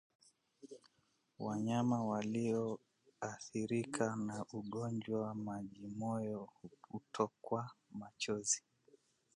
Wanyama walioathirika na ugonjwa wa majimoyo hutokwa machozi